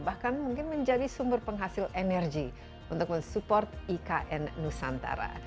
bahkan mungkin menjadi sumber penghasil energi untuk mensupport ikn nusantara